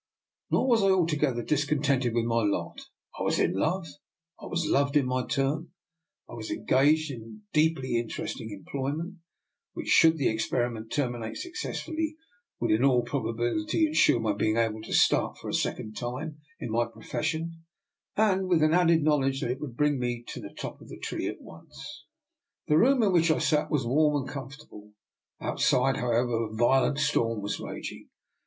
Nor was I altogether dis contented with my lot. I was in love, and was loved in my turn; I was engaged in deeply in teresting employment which, should the ex periment terminate successfully, would in all probability ensure my being able to start for a second time in my profession, and with an added knowledge that would bring me to the top of the tree at once. The room in which I sat was warm and comfortable; outside, however, a violent storm was raging.